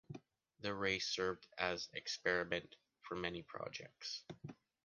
The race served as experiment for many projects.